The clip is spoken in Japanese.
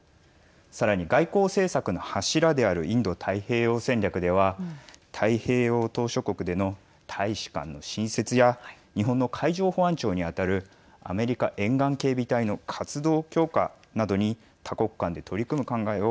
さらに外交政策の柱であるインド太平洋戦略では太平洋島しょ国での大使館の新設や日本の海上保安庁に当たるアメリカ沿岸警備隊の活動強化などに多国間で取り組む考えを。